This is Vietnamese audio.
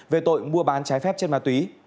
về tội mua bán trái phép trên má túy